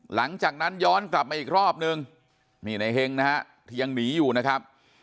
หลังจากนั้นย้อนกลับมาอีกรอบนึงนี่ในเฮงนะฮะที่ยังหนีอยู่นะครับ